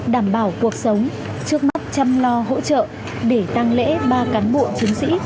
đảm bảo cuộc sống trước mắt chăm lo hỗ trợ để tăng lễ ba cán bộ chiến sĩ